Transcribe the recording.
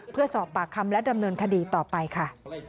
เพื่อสอบปากคำและดำเนินคดีต่อไปค่ะ